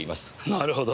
なるほど。